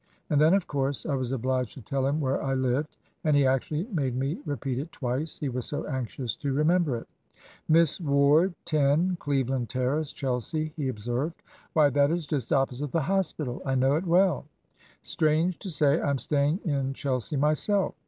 And then of course I was obliged to tell him where I lived; and he actually made me repeat it twice, he was so anxious to remember it. "'Miss Ward, 10 Cleveland Terrace, Chelsea,' he observed. 'Why, that is just opposite the Hospital. I know it well. Strange to say, I am staying in Chelsea myself.'